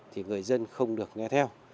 thì người dân không được nghe theo